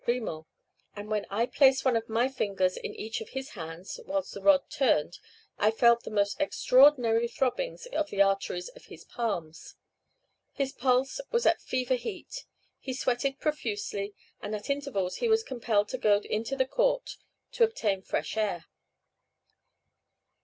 Grimaut, and when I placed one of my fingers in each of his hands, whilst the rod turned, I felt the most extraordinary throbbings of the arteries in his palms. His pulse was at fever heat. He sweated profusely, and at intervals he was compelled to go into the court to obtain fresh air."